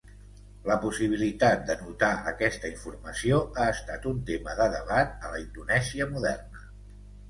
La possibilitat d'anotar aquesta informació ha estat un tema de debat a la Indonèsia moderna.